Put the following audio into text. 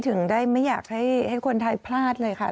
ถึงได้ไม่อยากให้คนไทยพลาดเลยค่ะ